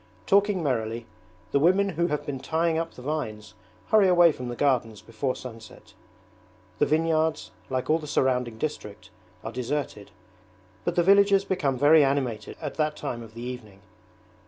Talking merrily, the women who have been tying up the vines hurry away from the gardens before sunset. The vineyards, like all the surrounding district, are deserted, but the villages become very animated at that time of the evening.